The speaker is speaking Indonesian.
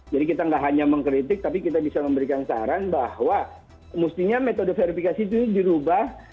jadi kita nggak hanya mengkritik tapi kita bisa memberikan saran bahwa mestinya metode verifikasi itu dirubah